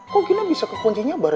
kok gina bisa kekunci sama darren